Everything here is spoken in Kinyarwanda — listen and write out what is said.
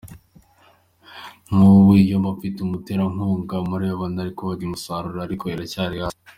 Nk’ubu iyo mba mfite umuterankunga nari kuba narayibyaje umusaruro ariko iracyari hasi.